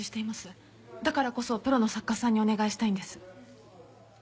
だからこそプロの作家さんにお願いしたいんです。